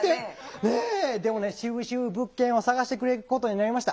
でもねしぶしぶ物件を探してくれることになりました。